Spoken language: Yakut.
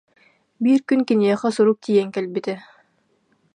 Биир күн киниэхэ сурук тиийэн кэлбитэ